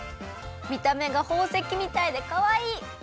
みためがほうせきみたいでかわいい。